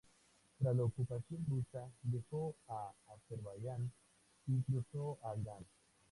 Tras la ocupación rusa dejó Azerbaiyán y cruzó a Irán.